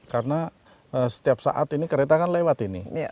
karena setiap saat ini kereta kan lewat ini